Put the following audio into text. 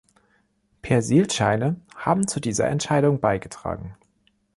Persilscheine haben zu dieser Entscheidung beigetragen.